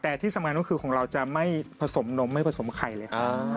แต่ที่สำคัญก็คือของเราจะไม่ผสมนมไม่ผสมไข่เลย